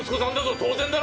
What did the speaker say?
当然だろ！